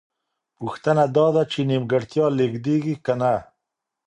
پوښتنه دا ده چې نیمګړتیا لېږدېږي که نه؟